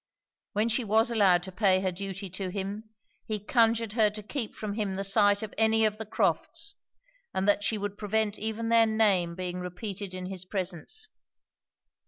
When she was allowed to pay her duty to him, he conjured her to keep from him the sight of any of the Crofts', and that she would prevent even their name being repeated in his presence.